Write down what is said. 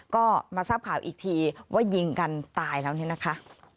ก็มาทราบข่าวอีกทีว่ายิงกันตายแล้วเนี่ยนะคะ